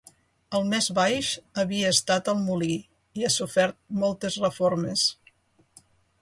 El més baix havia estat el molí i ha sofert moltes reformes.